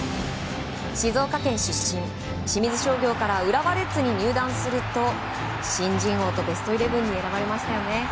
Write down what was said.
静岡県出身、清水商業から浦和レッズに入団すると新人王とベストイレブンに選ばれましたよね。